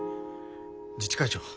自治会長。